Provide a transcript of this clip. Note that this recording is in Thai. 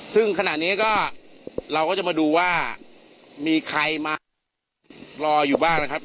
ซึ่งขณะนี้ก็เราก็จะมาดูว่ามีใครมารออยู่บ้างนะครับ